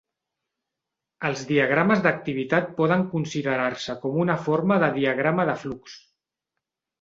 Els diagrames d"activitat poden considerar-se com una forma de diagrama de flux.